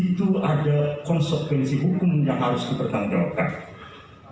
itu ada konsep kondisi hukum yang harus dipertanggungjawabkan